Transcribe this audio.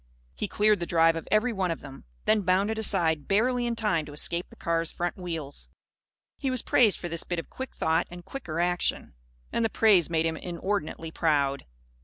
He cleared the drive of every one of them; then bounded aside barely in time to escape the car's front wheels. He was praised for this bit of quick thought and quicker action. And the praise made him inordinately proud.